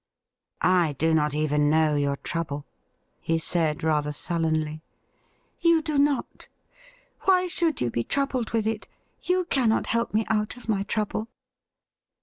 ' I do not even know your trouble,' he said rather sullenly. ' You do not. Why should you be troubled with it ? You cannot help me out of my trouble.'